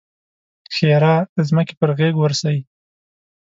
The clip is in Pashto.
ښېرا: د ځمکې پر غېږ ورسئ!